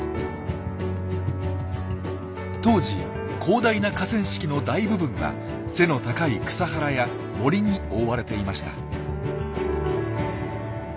当時広大な河川敷の大部分は背の高い草原や森に覆われていました。